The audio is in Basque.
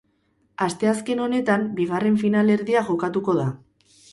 Asteazken honetan bigarren finalerdia jokatuko da.